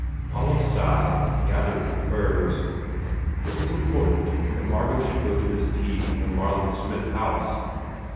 Olive sighed and gathered her furs. It was important that Margot should go to this tea at the Marlett Smith house.